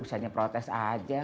usahanya protes aja